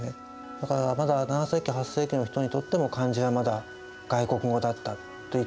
だからまだ７世紀８世紀の人にとっても漢字はまだ外国語だったといった方がいいんだろうと思います。